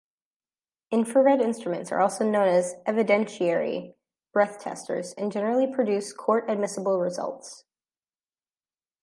Infrared instruments are also known as "evidentiary breath testers" and generally produce court-admissible results.